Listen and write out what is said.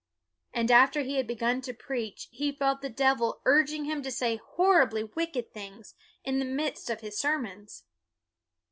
And after he had begun to preach, he felt the devil urging him to say horribly wicked things in the midst of his sermons.